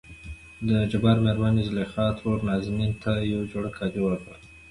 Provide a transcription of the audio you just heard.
دجبار مېرمنې زليخا ترور نازنين ته نه يو جوړ کالي وړل.